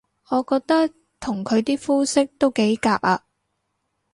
我覺得同佢啲膚色都幾夾吖